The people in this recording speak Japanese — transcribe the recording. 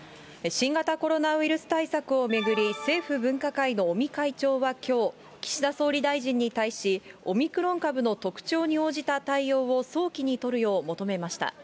新型コロナウイルス対策を巡り、政府分科会の尾身会長はきょう、岸田総理大臣に対し、オミクロン株の特徴に応じた対応を早期に取るよう求めました。